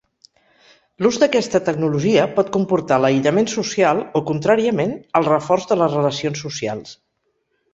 L'ús d'aquesta tecnologia pot comportar l'aïllament social o, contràriament, el reforç de les relacions socials.